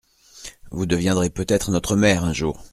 Vous deviendrez peut-être notre maire un jour !